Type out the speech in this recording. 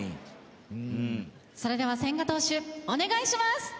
それでは千賀投手お願いします。